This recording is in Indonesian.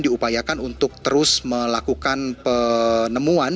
diupayakan untuk terus melakukan penemuan